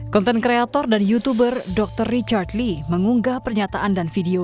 konten kreator dan youtuber dr richard lee mengunggah pernyataan dan video